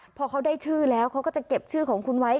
พอเขาได้ชื่อแล้วเขาก็จะเก็บชื่อของคุณไว้